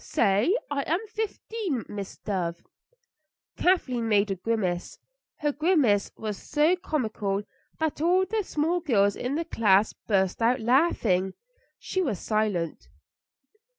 "Say, 'I am fifteen, Miss Dove.'" Kathleen made a grimace. Her grimace was so comical that all the small girls in the class burst out laughing. She was silent.